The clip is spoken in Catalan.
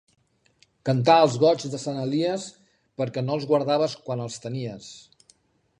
Cantar els goigs de Sant Elies, perquè no els guardaves quan els tenies.